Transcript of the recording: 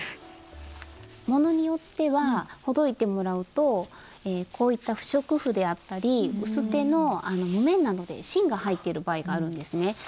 ものによってはほどいてもらうとこういった不織布であったり薄手の木綿などで芯が入っている場合があるんですね。